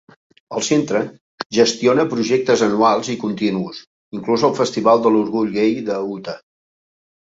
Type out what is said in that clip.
El centre gestiona projectes anuals i continus, inclòs el Festival de l'Orgull Gai de Utah.